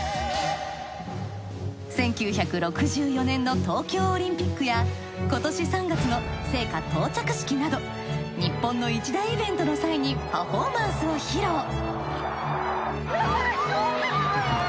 １９６４年の東京オリンピックや今年３月の聖火到着式など日本の一大イベントの際にパフォーマンスを披露。